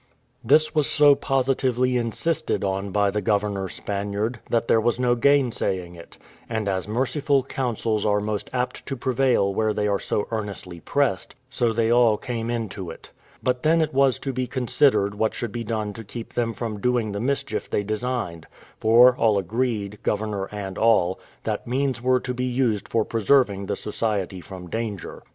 This was so positively insisted on by the governor Spaniard, that there was no gainsaying it; and as merciful counsels are most apt to prevail where they are so earnestly pressed, so they all came into it. But then it was to be considered what should be done to keep them from doing the mischief they designed; for all agreed, governor and all, that means were to be used for preserving the society from danger.